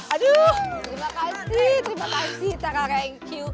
aduh terima kasih terima kasih tararengq